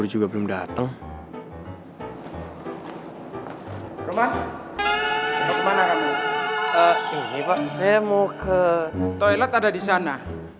toilet ada di sana